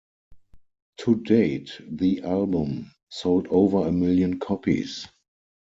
To date the album sold over a million copies.